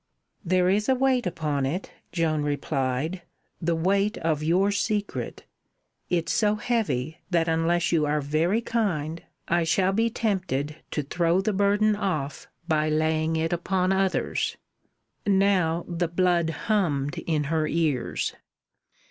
"There is a weight upon it," Joan replied. "the weight of your secret. It's so heavy that unless you are very kind, I shall be tempted to throw the burden off by laying it upon others." Now the blood hummed in her ears.